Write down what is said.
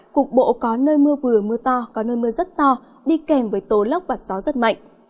cục bộ có nơi mưa vừa mưa to có nơi mưa rất to đi kèm với tố lốc và gió rất mạnh